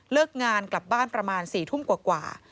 งานกลับบ้านประมาณ๔ทุ่มกว่า